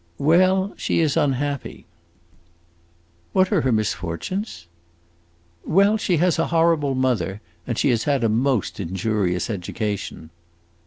"Well she is unhappy." "What are her misfortunes?" "Well she has a horrible mother, and she has had a most injurious education."